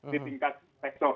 di tingkat sektor